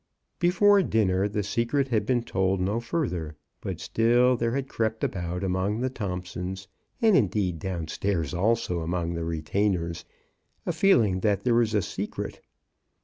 Before dinner the secret had been told no further, but still there had crept about among the Thompsons, and, indeed, down stairs also among the retainers, a feeling that there was a secret.